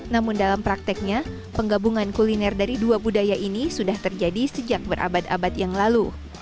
namun dalam prakteknya penggabungan kuliner dari dua budaya ini sudah terjadi sejak berabad abad yang lalu